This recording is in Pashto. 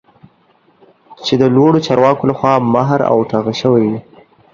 چې د لوړو چارواکو لخوا مهر او ټاپه شوی وي